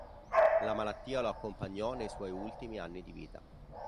La malattia lo accompagnò nei suoi ultimi anni di vita.